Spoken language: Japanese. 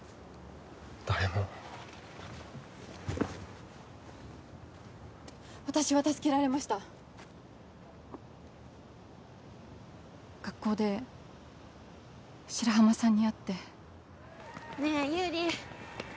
誰も私は助けられました学校で白浜さんに会ってねえ百合